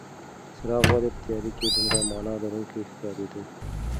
څراغ ولې په تیاره کې دومره مانا لرونکې ښکارېده؟